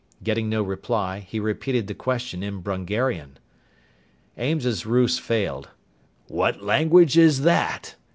Getting no reply, he repeated the question in Brungarian. Ames's ruse failed. "What language is that?"